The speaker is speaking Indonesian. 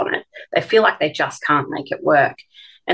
mereka merasa seperti mereka tidak bisa membuatnya berjaya